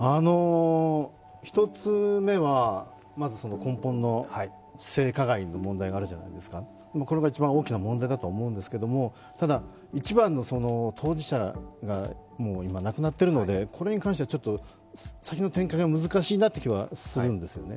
１つ目は、まず根本の性加害の問題があるじゃないですか、これが一番大きな問題だと思いますがただ、一番の当事者がもう今、亡くなっているのでこれに関しては先の展開が難しいなという気がするんですよね。